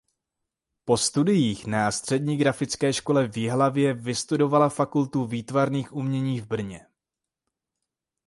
Po studiích na střední grafické škole v Jihlavě vystudovala Fakultu výtvarných umění v Brně.